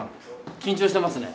緊張してますね。